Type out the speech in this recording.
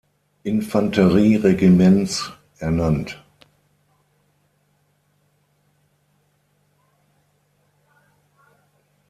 Infanterie-Regiments ernannt.